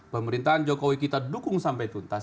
pemerintahan jokowi kita dukung sampai tuntas